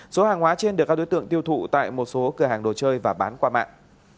số hàng hóa trên được các đối tượng tiêu thụ tại một số cửa hàng đồ chơi và bán qua mạng